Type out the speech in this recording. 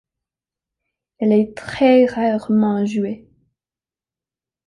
Elle est très rarement jouée.